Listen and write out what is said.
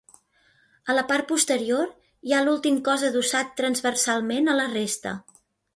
A la part posterior hi ha l'últim cos adossat transversalment a la resta.